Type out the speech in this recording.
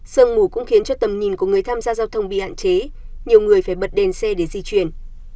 sương mù cũng khiến cho tầm nhìn của người tham gia giao thông bị hạn chế nhiều người phải bật đèn xe để di chuyển